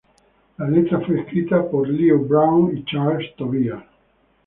La letra fue escrita por Lew Brown y Charles Tobias.